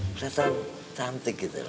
kelihatan cantik gitu lho